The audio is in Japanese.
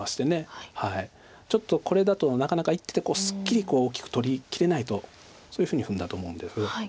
ちょっとこれだとなかなか１手ですっきり大きく取りきれないとそういうふうに踏んだと思うんです。